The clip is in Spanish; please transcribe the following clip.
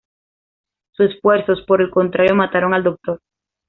Sus esfuerzos por el contrario mataron al Doctor.